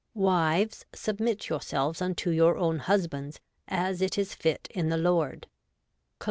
Wives, submit yourselves unto your own hus bands, as it is fit in the Lord ' (Col.